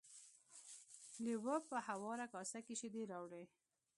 لیوه په هواره کاسه کې شیدې راوړې.